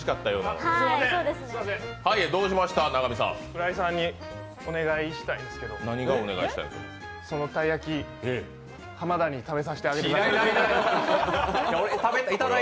浦井さんにお願いしたいんですけどそのたい焼き、浜田に食べさせてあげてください。